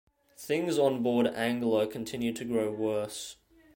Things onboard "Angler" continued to grow worse.